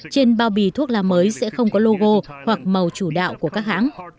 trên bao bì thuốc lá mới sẽ không có logo hoặc màu chủ đạo của các hãng